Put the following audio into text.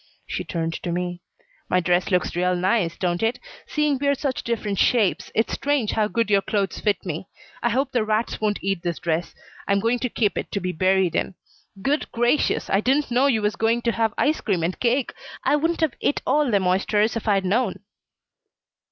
She turned to me. "My dress looks real nice, don't it? Seeing we're such different shapes, it's strange how good your clothes fit me. I hope the rats won't eat this dress. I'm going to keep it to be buried in. Good gracious! I didn't know you was going to have ice cream and cake. I wouldn't have et all them oysters if I'd known."